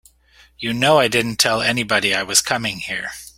You know I didn't tell anybody I was coming here.